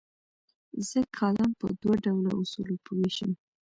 زه کالم په دوه ډوله اصولو ویشم.